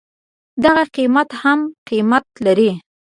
دغه قيمت هم قيمت لري.